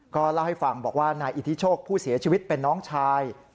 ก็เล่าให้ฟังบอกว่านายอิทธิโชคผู้เสียชีวิตเป็นน้องชาย